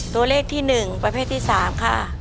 ตัวเลขที่๑ประเภทที่๓ค่ะ